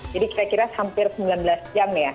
jadi kira kira hampir sembilan belas jam ya